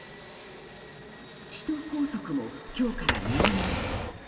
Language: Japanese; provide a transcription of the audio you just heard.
首都高速も今日から値上げです。